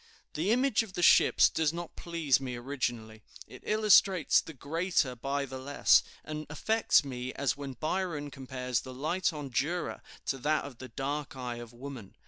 The image of the ships does not please me originally. It illustrates the greater by the less, and affects me as when Byron compares the light on Jura to that of the dark eye of woman.